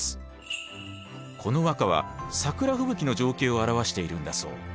この和歌は桜吹雪の情景を表しているんだそう。